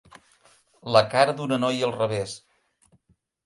La cara d'una noia al revés.